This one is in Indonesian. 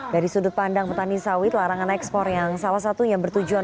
dari sudut pandang petani sawit larangan ekspor yang salah satunya bertujuan